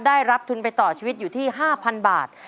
ได้รับทุนไปต่อชีวิตอยู่ที่๕๐๐บาท